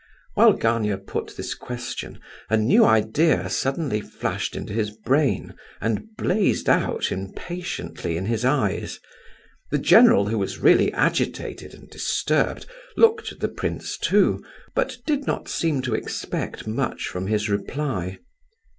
While Gania put this question, a new idea suddenly flashed into his brain, and blazed out, impatiently, in his eyes. The general, who was really agitated and disturbed, looked at the prince too, but did not seem to expect much from his reply.